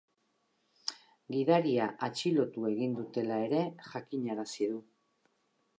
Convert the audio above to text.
Gidaria atxilotu egin dutela ere jakinarazi du.